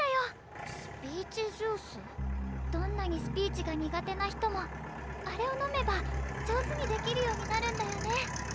どんなにスピーチが苦手な人もあれを飲めば上手にできるようになるんだよね。